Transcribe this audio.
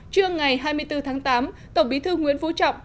trưa ngày hai mươi bốn tháng tám tổng bí thư nguyễn phú trọng